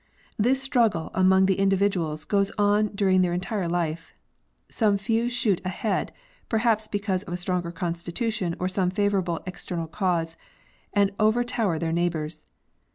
This struggle among the individuals goes on during their en tire life. Some few shoot ahead, perhaps because of a stronger constitution or some favorable external cause, and overtower their neighbors.